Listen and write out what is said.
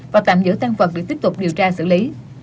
và tạm giữ tăng vật để tiếp tục điều tra xử lý